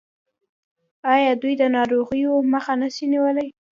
آیا دوی د ناروغیو مخه نه نیسي؟